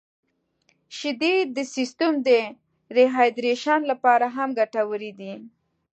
• شیدې د سیستم د ریهایدریشن لپاره هم ګټورې دي.